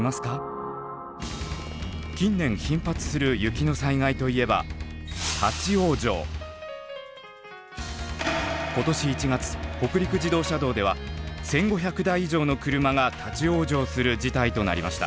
近年頻発する雪の災害といえば今年１月北陸自動車道では１，５００台以上の車が立往生する事態となりました。